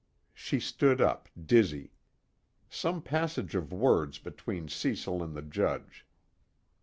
She stood up, dizzy. Some passage of words between Cecil and the Judge.